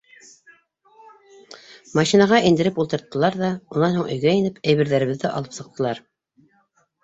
Машинаға индереп ултырттылар ҙа, унан һуң өйгә инеп, әйберҙәребеҙҙе алып сыҡтылар.